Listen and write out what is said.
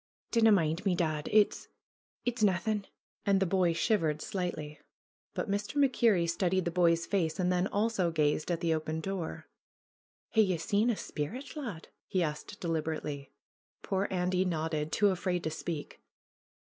'^Dinna mind me, dad. It's — it's naethin'." And the boy shivered slightly. But Mr. MacKerrie studied the boy's face and then also gazed at the open door. "Hae ye seen a sperrit, lad ?" he asked deliberately. Poor Andy nodded, too afraid to speak.